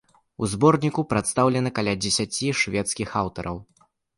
У зборніку прадстаўлена каля дзесяці шведскіх аўтараў.